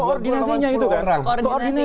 koordinasinya itu tadi